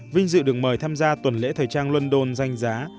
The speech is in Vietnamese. vinh dự được mời tham gia tuần lễ thời trang london danh giá